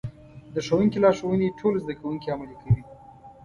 د ښوونکي لارښوونې ټول زده کوونکي عملي کوي.